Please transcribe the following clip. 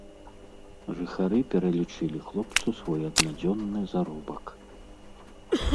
Жыхары пералічылі хлопцу свой аднадзённы заробак.